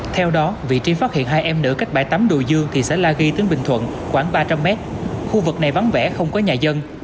theo đó vị trí phát hiện hai em nữ cách bãi tắm đồ dương thì xã lai ghi tỉnh bình thuận khoảng ba trăm linh mét khu vực này vắng vẻ không có nhà dân